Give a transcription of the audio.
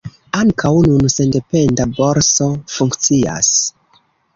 Ankaŭ nun sendependa borso funkcias.